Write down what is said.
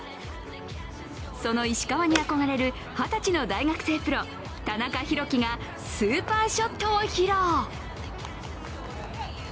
その石川に憧れる二十歳の大学生プロ田中裕基がスーパーショットを披露。